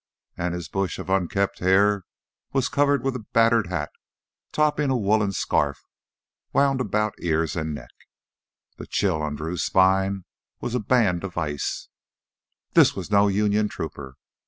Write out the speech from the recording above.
And his bush of unkempt hair was covered with a battered hat topping a woolen scarf wound about ears and neck. The chill on Drew's spine was a band of ice. This was no Union trooper.